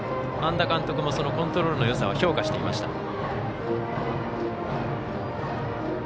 半田監督もそのコントロールのよさは評価していました。